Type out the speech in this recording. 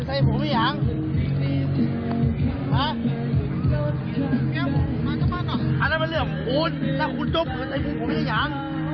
อ่ะอันนั้นเป็นเรื่องของคุณแล้วคุณจบมือใส่ถูกหัวไม่อย่าง